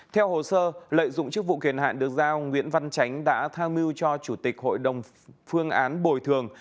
theo hồ sơ lợi dụng chức vụ kiền hạn được giao nguyễn văn chánh đã tham mưu cho chủ tịch hội đồng phương án bồi thường